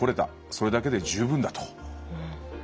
それだけで十分だと。